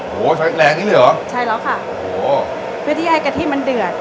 โอ้โหใช้แรงนี้เลยเหรอใช่แล้วค่ะโอ้โหเพื่อที่ให้กะทิมันเดือด